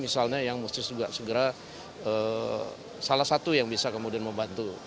misalnya yang mesti juga segera salah satu yang bisa kemudian membantu